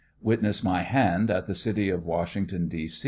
Witness my hand, at the City of Washington, D.